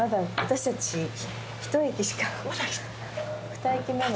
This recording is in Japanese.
２駅目の。